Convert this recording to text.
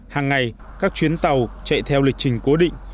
hàng ngày các chuyến tàu chạy theo lịch trình cố định